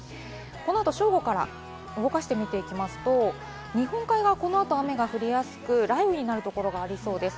正午から動かしてみていきますと、日本海側、この後雨が降りやすく雷雨になるところがありそうです。